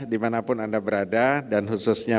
dimanapun anda berada dan khususnya